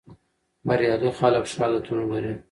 بریالي خلک ښه عادتونه لري.